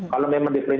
kalau memang di